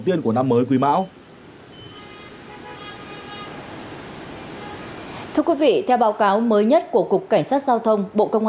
tiên của năm mới quý mão thưa quý vị theo báo cáo mới nhất của cục cảnh sát giao thông bộ công